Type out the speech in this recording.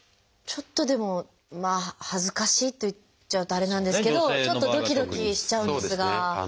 ちょっとでも恥ずかしいって言っちゃうとあれなんですけどちょっとどきどきしちゃうんですが。